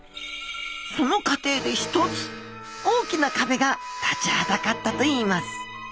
その過程で一つ大きなかべが立ちはだかったといいます。